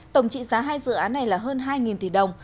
tổng trị giá hai dự án này là hơn hai tỷ đồng